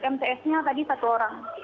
mts nya tadi satu orang